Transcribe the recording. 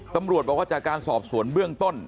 ตำรวจบอกว่าจากการสอบสวนเบื้องต้น